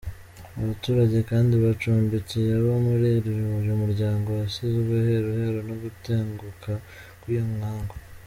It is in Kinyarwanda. Abaturage kandi bacumbikiye abo muri uyu muryango wasizwe iheruheru no gutenguka kw’iyo nkangu.